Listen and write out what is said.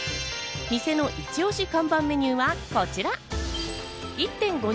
店のイチ押し看板メニューはこちら。